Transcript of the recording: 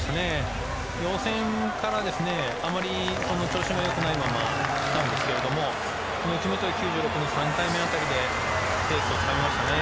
予選からあまり調子が良くないままきたんですけれども９６、９８ｃｍの３回目辺りでペースをつかみましたね。